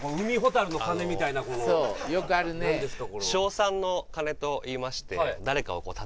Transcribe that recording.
そうよくあるね何ですか？